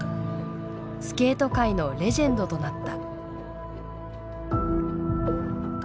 スケート界のレジェンドとなった。